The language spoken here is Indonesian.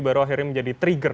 baru akhirnya menjadi trigger